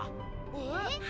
えっ？